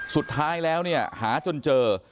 สุดท้ายแล้วหาจนเจอ